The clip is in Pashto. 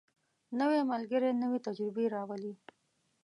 نوی ملګری نوې تجربې راولي